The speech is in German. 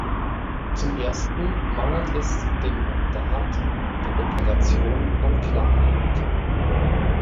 Zum Ersten mangelt es dem Mandat der Operation an Klarheit.